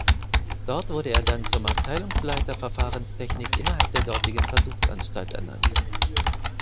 Dort wurde er dann zum Abteilungsleiter Verfahrenstechnik innerhalb der dortigen Versuchsanstalt ernannt.